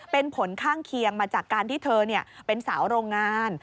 เป็นผลข้างเคียงมาจากการที่เธอเป็นสาวโรงงาน